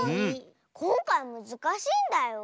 こんかいむずかしいんだよ。